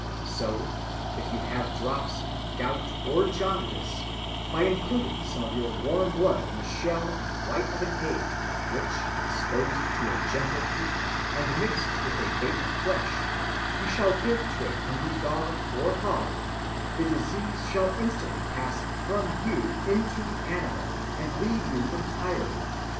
So, if you have dropsy, gout, or jaundice, by including some of your warm blood in the shell and white of an egg, which, exposed to a gentle heat, and mixed with a bait of flesh, you shall give to a hungry dog or hog, the disease shall instantly pass from you into the animal, and leave you entirely.